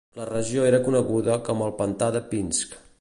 La regió era coneguda com el "pantà de Pinsk".